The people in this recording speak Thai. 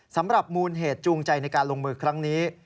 สำหรับมูลเหตุจูงใจในการลงมือครั้งนี้